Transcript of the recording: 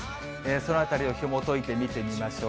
そのあたりをひもといて見てみましょう。